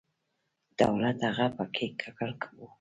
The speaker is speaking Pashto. دولت هم په کې ککړ و.